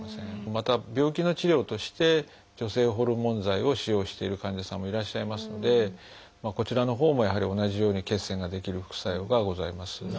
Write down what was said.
また病気の治療として女性ホルモン剤を使用している患者さんもいらっしゃいますのでこちらのほうもやはり同じように血栓が出来る副作用がございます。